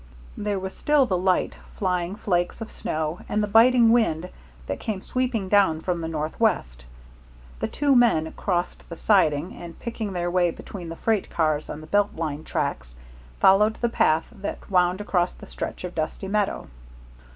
There was still the light, flying flakes of snow, and the biting wind that came sweeping down from the northwest. The two men crossed the siding, and, picking their way between the freight cars on the Belt Line tracks, followed the path that wound across the stretch of dusty meadow.